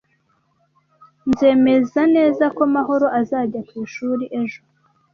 Nzemeza neza ko Mahoro azajya ku ishuri ejo.